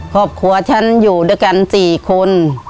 ครอบครัวฉันอยู่ด้วยกัน๔คน